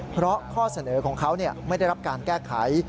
เพราะข้อเสนอของเขาไม่ได้รับการแก้ไข